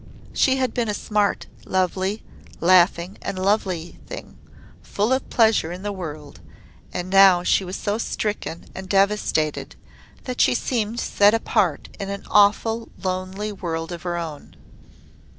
She had been a smart, lovely, laughing and lovable thing, full of pleasure in the world, and now she was so stricken and devastated that she seemed set apart in an awful lonely world of her own.